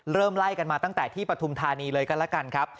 เริ่มไล่กันมาตั้งแต่ที่ปฐุมธานีเลยก็แล้วกันครับ